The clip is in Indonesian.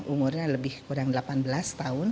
umurnya lebih kurang delapan belas tahun